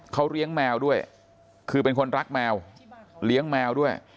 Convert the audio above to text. เขาเลี้ยงแมวด้วยคือเป็นคนรักแมวเลี้ยงแมวด้วย